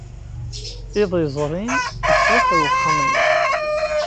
Iḍ yezrin, yettwaker wexxam-nneɣ.